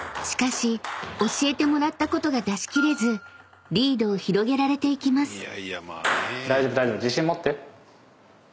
［しかし教えてもらったことが出し切れずリードを広げられていきます］